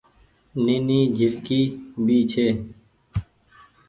نيني جهرڪي ڀي ڇي۔